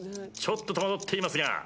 ちょっと戸惑っていますが。